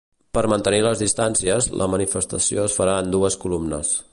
Per mantenir les distàncies, la manifestació es farà en dues columnes.